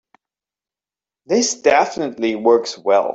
This definitely works well.